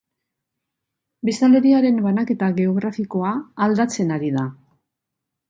Biztanleriaren banaketa geografikoa aldatzen ari da.